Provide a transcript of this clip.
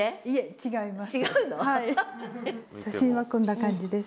写真はこんな感じです。